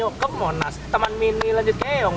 yuk kemonas teman mini lanjut keong